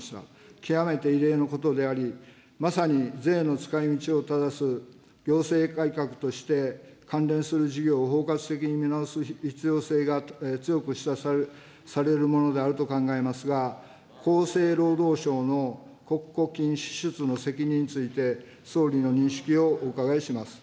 極めて異例のことであり、まさに税の使いみちを正す行政改革として、関連する事業を包括的に見直す必要性が強く示唆されるものと考えますが、厚生労働省の国庫金支出の責任について、総理の認識をお伺いします。